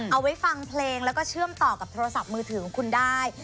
เอาไว้ฟังเพลงแล้วก็เชื่อมต่อกับโทรศัพท์มือถือของคุณได้